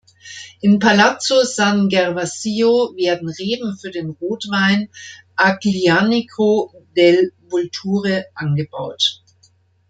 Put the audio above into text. In Palazzo San Gervasio werden Reben für den Rotwein Aglianico del Vulture angebaut.